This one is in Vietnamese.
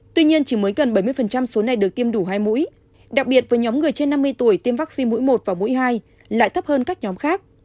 tuy nhiên chỉ mới gần bảy mươi số này được tiêm đủ hai mũi đặc biệt với nhóm người trên năm mươi tuổi tiêm vaccine mũi một và mũi hai lại thấp hơn các nhóm khác